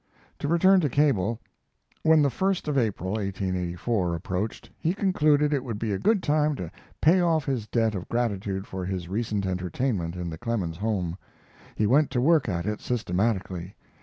To return to Cable. When the 1st of April (1884) approached he concluded it would be a good time to pay off his debt of gratitude for his recent entertainment in the Clemens's home. He went to work at it systematically.